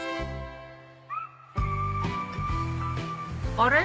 あれ？